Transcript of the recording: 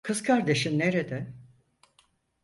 Kız kardeşin nerede?